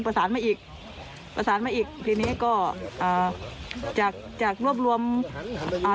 ประสานมาอีกประสานมาอีกทีนี้ก็อ่าจากจากรวบรวมอ่า